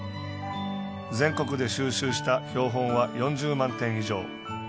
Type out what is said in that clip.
全国で収集した標本は４０万点以上。